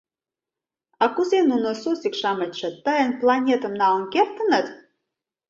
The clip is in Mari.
— А кузе нуно, суслик-шамычше, тыйын планетым налын кертыныт?